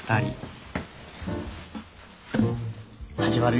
始まるよ。